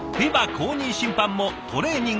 公認審判もトレーニングが必要。